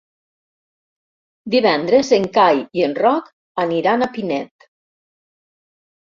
Divendres en Cai i en Roc aniran a Pinet.